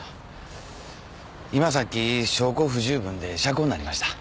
今さっき証拠不十分で釈放になりました。